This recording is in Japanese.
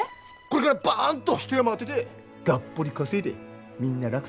これからバンと一山当ててがっぽり稼いでみんな楽させてやるから。